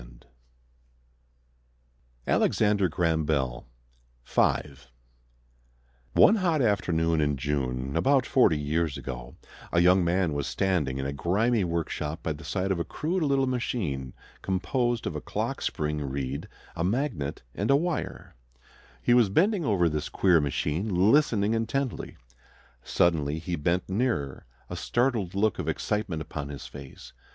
29 [Illustration: ALEXANDER GRAHAM BELL] GREAT AMERICAN INVENTORS Alexander Graham Bell FIVE One hot afternoon in June, about forty years ago, a young man was standing in a grimy workshop by the side of a crude little machine composed of a clock spring reed, a magnet, and a wire. He was bending over this queer machine listening intently. Suddenly he bent nearer, a startled look of excitement upon his face.